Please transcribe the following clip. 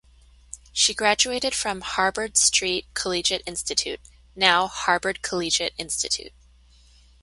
She graduated from Harbord Street Collegiate Institute (now Harbord Collegiate Institute).